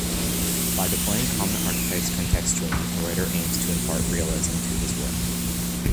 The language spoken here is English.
By deploying common archetypes contextually, a writer aims to impart realism to his work.